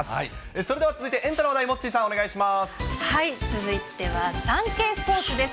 それでは続いてエンタの話題、続いてはサンケイスポーツです。